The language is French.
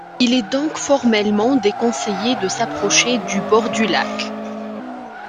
Il est donc formellement déconseillé de s'approcher du bord du lac.